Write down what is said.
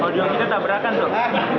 kalau diorang kita tabrakan dok